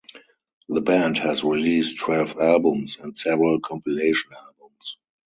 The band has released twelve albums and several compilation albums.